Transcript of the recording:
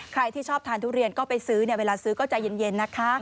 ใครที่ชอบทานทุเรียนก็ไปซื้อเวลาซื้อก็ใจเย็นนะคะ